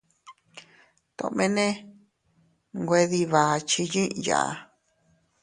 Tomene nwe dii bakchi yiʼya.